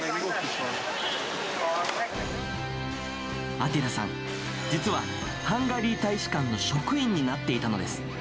アティラさん、実はハンガリー大使館の職員になっていたのです。